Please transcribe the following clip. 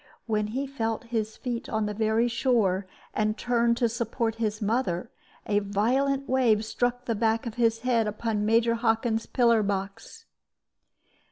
When he felt his feet on the very shore, and turned to support his mother, a violent wave struck the back of his head upon Major Hockin's pillar box.